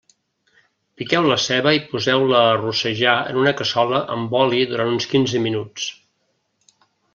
Piqueu la ceba i poseu-la a rossejar en una cassola amb oli durant uns quinze minuts.